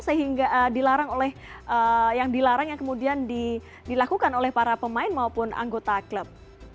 sehingga dilarang oleh yang dilarang yang kemudian dilakukan oleh para pemain maupun anggota klub